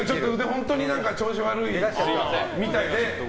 本当に調子悪いみたいで。